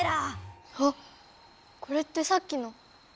あっこれってさっきの！